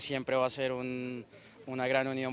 selalu ada perhubungan antara teman teman